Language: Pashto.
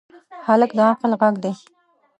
هلک د عقل غږ دی.